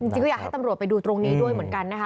ก็อยากให้ตำรวจไปดูตรงนี้ด้วยเหมือนกันนะคะ